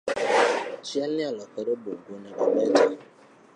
Chielni olokore bungu onego bete